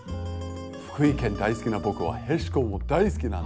福井県大好きな僕はへしこも大好きなんです。